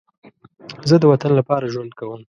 زه د وطن لپاره ژوند کوم